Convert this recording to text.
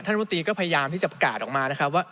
ท่านพระมุติก็พยายามที่จะประกาศออกมานะครับว่า